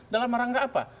dalam rangka apa